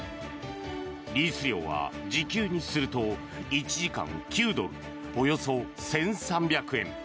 リース料は時給にすると１時間９ドルおよそ１３００円。